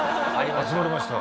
集まりました。